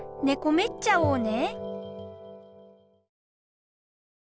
めっちゃおうね。